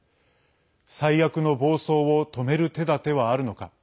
最悪の暴走を止める手だてはあるのか。